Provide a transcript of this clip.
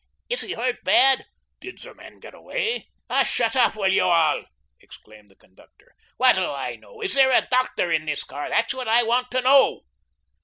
"Is he hurt bad?" "Did the men get away?" "Oh, shut up, will you all?" exclaimed the conductor. "What do I know? Is there a DOCTOR in this car, that's what I want to know?"